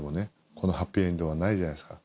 このハッピーエンドはないじゃないですか。